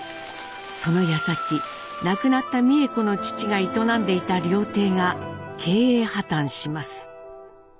そのやさき亡くなった美枝子の父が営んでいた料亭が経営破綻します。